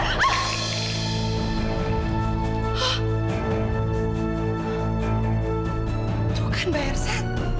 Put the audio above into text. itu kan mbak irsa